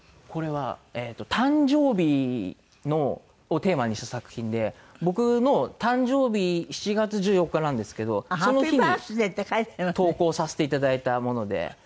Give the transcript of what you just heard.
これは誕生日をテーマにした作品で僕の誕生日７月１４日なんですけどその日に投稿させていただいたもので。